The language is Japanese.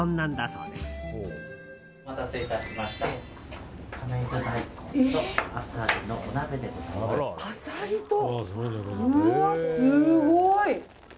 うわ、すごい！